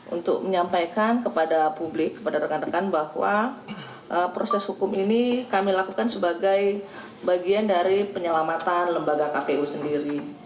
untuk menyampaikan kepada publik kepada rekan rekan bahwa proses hukum ini kami lakukan sebagai bagian dari penyelamatan lembaga kpu sendiri